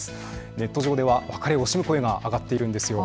ネット上では別れを惜しむ声が上がっているんですよ。